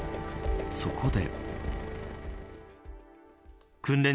そこで。